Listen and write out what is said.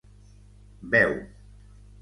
Veu.